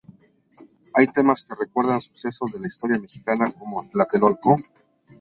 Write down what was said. Hay temas que recuerdan sucesos de la historia mexicana, como "tlatelolco".